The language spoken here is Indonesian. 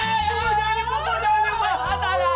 jangan dibukul jangan dibukul